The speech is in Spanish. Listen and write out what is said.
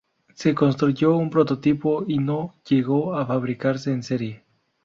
Se construyó un prototipo, y no llegó a fabricarse en serie.